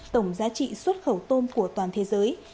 tổng giá trị xuất khẩu tôm của toàn thế giới